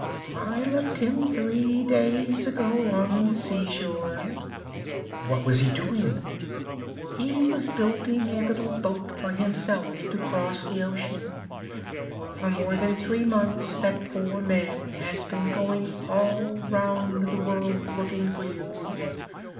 "I left him three days ago on the seashore." "What was he doing?" "He was building a little boat for himself, to cross the ocean. For more than three months that poor man has been going all round the world looking for you.